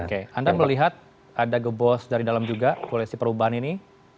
oke anda melihat ada gebos dari dalam juga koalisi perubahan ini